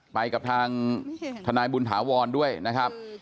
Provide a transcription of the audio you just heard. ไปกับทางทนายบุญถาวรด้วยนะครับ